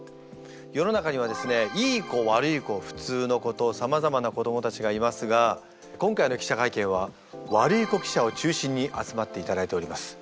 世の中にはですねいい子悪い子普通の子とさまざまな子どもたちがいますが今回の記者会見はワルイコ記者を中心に集まっていただいております。